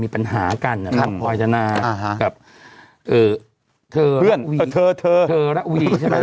เพื่อนท่อที